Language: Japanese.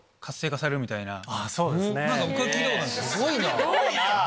すごいな！